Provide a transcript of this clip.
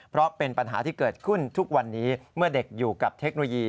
เพราะเป็นปัญหาที่เกิดขึ้นทุกวันนี้เมื่อเด็กอยู่กับเทคโนโลยี